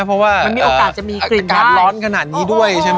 เพราะว่าอาการร้อนขนาดนี้ด้วยใช่ไหม